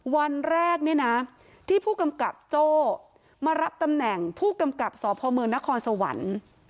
วันแรกเนี่ยนะที่ผู้กำกับโจ้มารับตำแหน่งผู้กำกับสพมนครสวรรค์